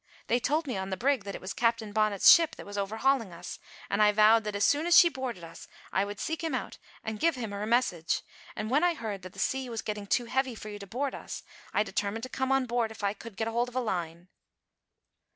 They told me on the brig that it was Captain Bonnet's ship that was overhauling us, and I vowed that as soon as she boarded us I would seek him out and give him her message; and when I heard that the sea was getting too heavy for you to board us, I determined to come on board if I could get hold of a line."